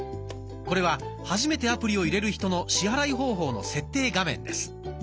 これは初めてアプリを入れる人の支払い方法の設定画面です。